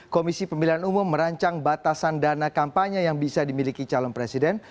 komisi pemilihan umum merancang batasan dana kampanye yang bisa dimiliki calon presiden